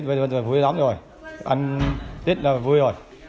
bây giờ vui lắm rồi ăn tết là vui rồi